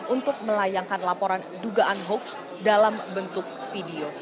untuk melayangkan laporan dugaan hoax dalam bentuk video